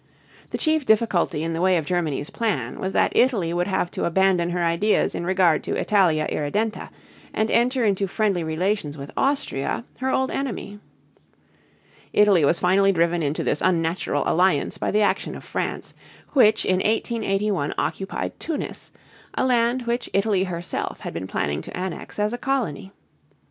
The chief difficulty in the way of Germany's plan was that Italy would have to abandon her ideas in regard to Italia Irredenta and enter into friendly relations with Austria, her old enemy. Italy was finally driven into this unnatural alliance by the action of France, which in 1881 occupied Tunis, a land which Italy herself had been planning to annex as a colony.